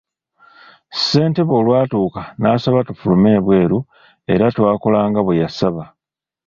Ssentebe olwatuuka n'asaba tufulume ebweru era twakola nga bwe yasaba.